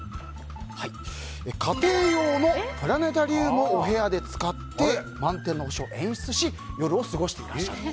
家庭用のプラネタリウムをお部屋で使って満天の星を演出し夜を過ごしていらっしゃると。